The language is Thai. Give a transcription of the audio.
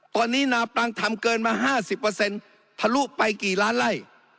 ตอนนี้นาปรังทำเกินมา๕๐ทะลุไปกี่ล้านไล่